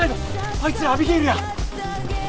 あいつらアビゲイルや。